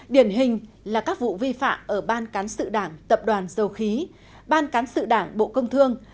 điển hình là các vụ vi phạm ở ban cán sự đảng tập đoàn dầu khí ban cán sự đảng bộ công thương